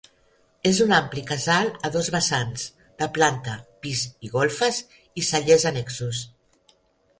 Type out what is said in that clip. És un ampli casal a dos vessants, de planta, pis i golfes i cellers annexos.